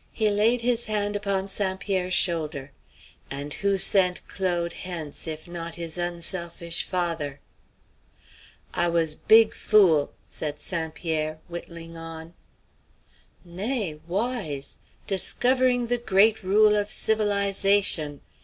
'" He laid his hand upon St. Pierre's shoulder. "And who sent Claude hence if not his unselfish father?" "I was big fool," said St. Pierre, whittling on. "Nay, wise! Discovering the great rule of civilize ation.